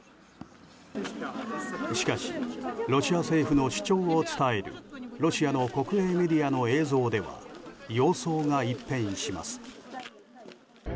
しかしロシア政府の主張を伝えるロシアの国営メディアの映像では様相が一変します。